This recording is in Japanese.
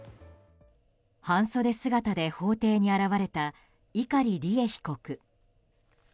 半袖姿で法廷に現れた碇利恵被告。